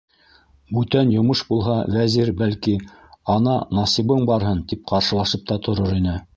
Бүтән йомош булһа, Вәзир, бәлки: «Ана Насибың барһын», - тип ҡаршылашып та торор ине.